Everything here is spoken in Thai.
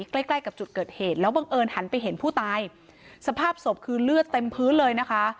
ใกล้ใกล้กับจุดเกิดเหตุแล้วบังเอิญหันไปเห็นผู้ตายสภาพศพคือเลือดเต็มพื้นเลยนะคะ